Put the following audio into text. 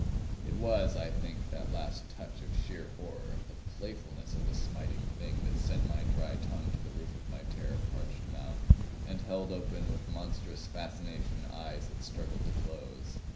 It was, I think, that last touch of sheer horror, the playfulness of the Smiting Thing, that sent my dry tongue to the roof of my terror parched mouth, and held open with monstrous fascination eyes that struggled to close.